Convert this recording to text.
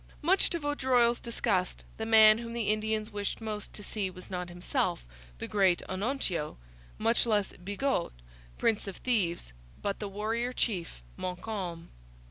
Much to Vaudreuil's disgust the man whom the Indians wished most to see was not himself, the 'Great Onontio,' much less Bigot, prince of thieves, but the warrior chief, Montcalm.